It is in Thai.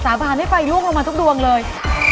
สามารถให้ฝ่ายรุ่งลงมาทุกดวงเลย